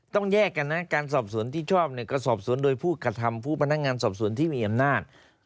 ต้องแยกกันนะการสอบสวนที่ชอบเนี่ยก็สอบสวนโดยผู้กระทำผู้พนักงานสอบสวนที่มีอำนาจ